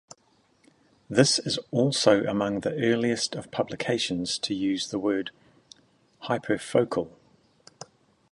This is also among the earliest of publications to use the word "hyperfocal".